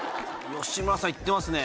吉村さんいってますね。